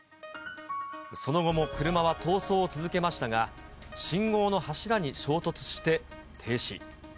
その後も車は逃走を続けましたが、信号の柱に衝突して停止。